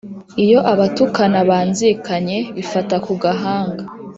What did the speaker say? iyo abatukana banzikanye, bifata ku gahanga